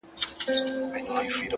بې له سُره چي پر هر مقام ږغېږي,